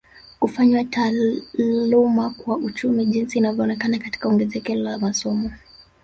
Kufanywa taaluma kwa uchumi jinsi inavyoonekana katika ongezeko la masomo